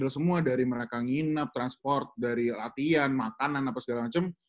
semua dari mereka nginep transport dari latihan makanan apa segala macam